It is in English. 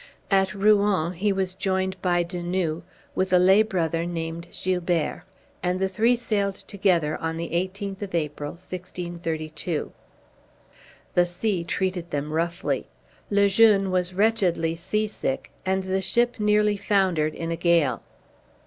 At Rouen he was joined by De Nouë, with a lay brother named Gilbert; and the three sailed together on the eighteenth of April, 1632. The sea treated them roughly; Le Jeune was wretchedly sea sick; and the ship nearly foundered in a gale.